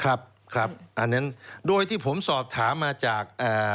ครับครับอันนั้นโดยที่ผมสอบถามมาจากอ่า